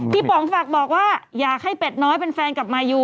ป๋องฝากบอกว่าอยากให้เป็ดน้อยเป็นแฟนกับมายู